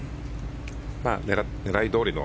まあ、狙いどおりの。